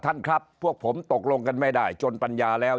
ท่านครับพวกผมตกลงกันไม่ได้จนปัญญาแล้ว